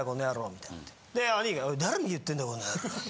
みたいなってで兄ィが誰に言ってんだこの野郎！